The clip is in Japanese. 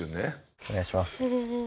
お願いします。